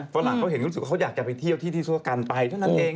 ฝรั่งเขาเห็นรู้สึกว่าเขาอยากจะไปเที่ยวที่ที่ซัวกันไปเท่านั้นเอง